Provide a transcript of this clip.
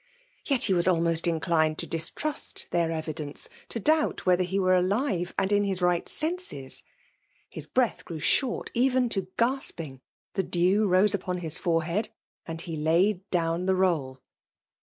Yet he was almost inclined to distrust their evidence :— to doubt whether he were alive and in his right senses!— 'Ifis breath grew short, even to gasping^ ihe dew rose upon his forehead; — and he laid down the roll.